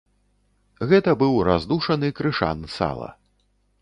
Гэта быў раздушаны крышан сала.